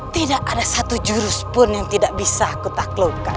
tidak ada satu jurus pun yang tidak bisa aku taklukkan